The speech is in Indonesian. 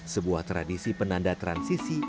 sebuah tradisi penanda transisi